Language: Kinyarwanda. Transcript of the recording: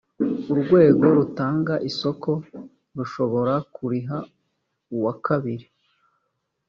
urwego rutanga isoko rushobora kuriha uwa kabiri